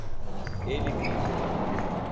Ele grita